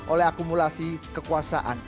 oleh akumulasi kekuasaan